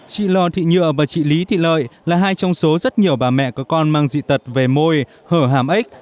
chị lò thị nhựa và chị lý thị lợi là hai trong số rất nhiều bà mẹ có con mang dị tật về môi hở hàm ếch